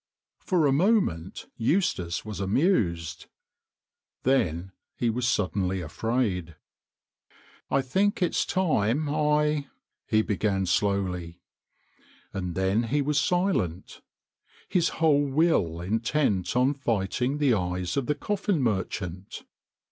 For a moment Eustace was amused ; then he was suddenly afraid. " I think it's time I " he began slowly, and then he was silent, his whole will intent on fighting the eyes of the coffin merchant.